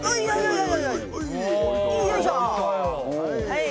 はい。